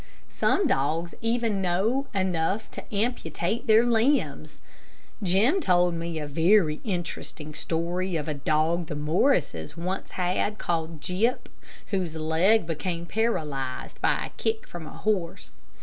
Some dogs even know enough to amputate their limbs. Jim told me a very interesting story of a dog the Morrises once had, called Gyp, whose leg became paralyzed by a kick from a horse.